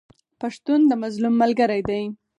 پښتون د مظلوم ملګری دی.